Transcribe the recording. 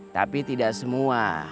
tapi tidak semua